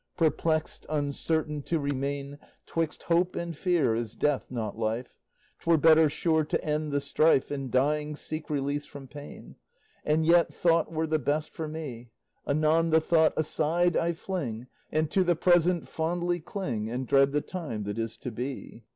Perplexed, uncertain, to remain 'Twixt hope and fear, is death, not life; 'Twere better, sure, to end the strife, And dying, seek release from pain. And yet, thought were the best for me. Anon the thought aside I fling, And to the present fondly cling, And dread the time that is to be."